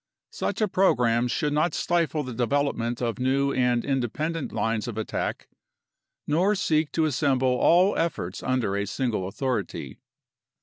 Such a program should not stifle the de velopment of new and independent lines of attack nor seek to assemble all efforts under a single authority.